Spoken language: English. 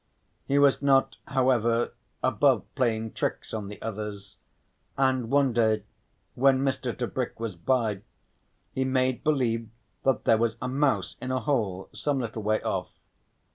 He was not, however, above playing tricks on the others, and one day when Mr. Tebrick was by, he made believe that there was a mouse in a hole some little way off.